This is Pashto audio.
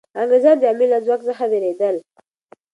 انګریزان د امیر له ځواک څخه ویرېدل.